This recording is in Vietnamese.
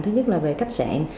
thứ nhất là về khách sạn